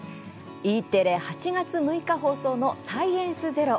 Ｅテレ、８月６日放送の「サイエンスＺＥＲＯ」。